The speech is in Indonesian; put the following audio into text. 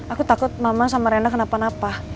aku takut mama sama renda kenapa napa